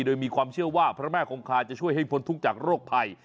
โดยมีความเชื่อว่าพระแม่คงคาจะช่วยให้พ้นทุกข์จากโรคภัย